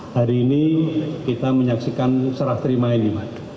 hari ini kita menyaksikan serah terima ini